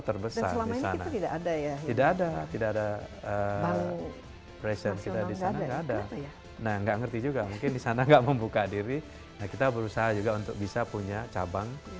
terbesar di sana dan selama ini kita tidak ada ya